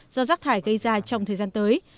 do rác thải gây ra trong thời gian tới